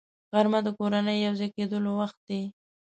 غرمه د کورنۍ یو ځای کېدلو وخت دی